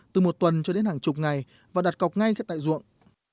từ một tuần cho đến hàng chục ngày và đặt cọc ngay tại ruộng